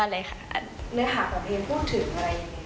เนื้อหากับเพลงพูดถึงอะไรอย่างนี้